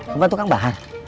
tempat tukang bahan